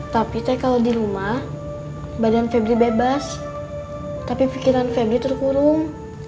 tapi teh kalau di rumah badan febri bebas tapi pikiran febri terkurung